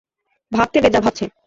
ভাবতে দে যা ভাবছে।